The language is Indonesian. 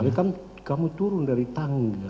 tapi kamu turun dari tangga